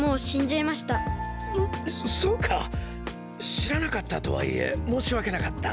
しらなかったとはいえもうしわけなかった。